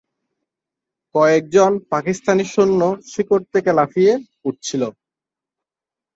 কয়েকজন পাকিস্তানি সৈন্য শিখর থেকে লাফিয়ে উঠেছিল।